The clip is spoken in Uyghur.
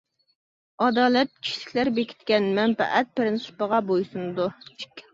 ئادالەت كۈچلۈكلەر بېكىتكەن مەنپەئەت پىرىنسىپىغا بويسۇنىدۇ.